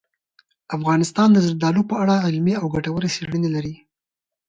افغانستان د زردالو په اړه علمي او ګټورې څېړنې لري.